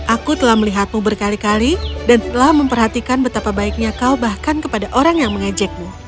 aku telah melihatmu berkali kali dan setelah memperhatikan betapa baiknya kau bahkan kepada orang yang mengejekmu